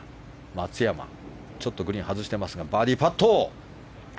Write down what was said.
松山ちょっとグリーン外してますがバーディーパット。